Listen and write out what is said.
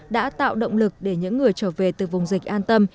đã tạo động lực để những người trở về từ vùng dịch an tâm